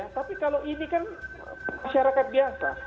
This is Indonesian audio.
tapi kalau ini kan masyarakat biasa